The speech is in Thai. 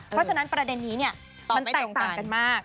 เพราะฉะนั้นประเด็นนี้มันแตกต่างกันมาก